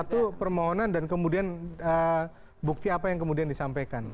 satu permohonan dan kemudian bukti apa yang kemudian disampaikan